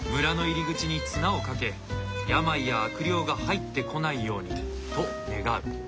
村の入り口に綱をかけ病や悪霊が入ってこないようにと願う。